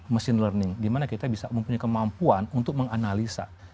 machine learning di mana kita bisa mempunyai kemampuan untuk menganalisa